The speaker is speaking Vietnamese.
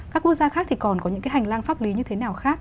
các quốc gia khác thì còn có những cái hành lang pháp lý như thế nào khác